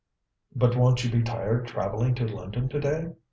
"But won't you be tired travelling to London to day?"